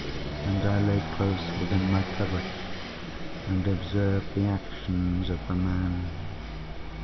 And I lay close within my covert and observed the actions of the man.